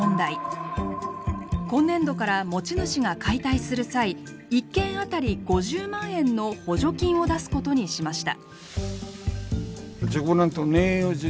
今年度から持ち主が解体する際１軒あたり５０万円の補助金を出すことにしました。